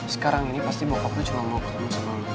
sekarang ini pasti bokap lu cuma mau ketemu sama lu